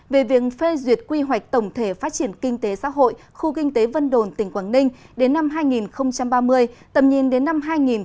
về việc phê duyệt quy hoạch tổng thể phát triển kinh tế xã hội khu kinh tế vân đồn tỉnh quảng ninh đến năm hai nghìn ba mươi tầm nhìn đến năm hai nghìn bốn mươi năm